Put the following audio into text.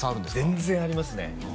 全然ありますね